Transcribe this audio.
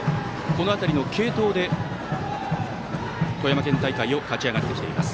この辺りの継投で、富山県大会を勝ち上がってきています。